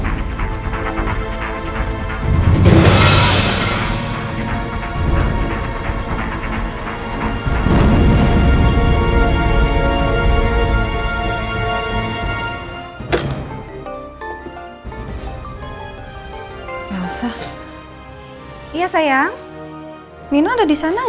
aku dua bisa kuat dari sini